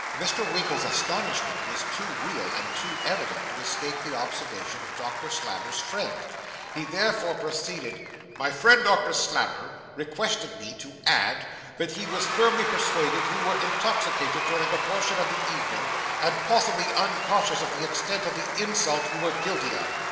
Mr. Winkle's astonishment was too real, and too evident, to escape the observation of Doctor Slammer's friend; he therefore proceeded 'My friend, Doctor Slammer, requested me to add, that he was firmly persuaded you were intoxicated during a portion of the evening, and possibly unconscious of the extent of the insult you were guilty of.